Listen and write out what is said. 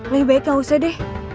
lebih baik gak usah deh